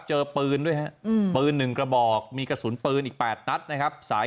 เจอปืนด้วยฮะปืน๑กระบอกมีกระสุนปืนอีก๘นัดนะครับสาย